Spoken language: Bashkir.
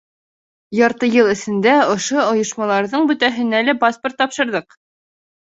Ярты йыл эсендә ошо ойошмаларҙың бөтәһенә лә паспорт тапшырҙыҡ.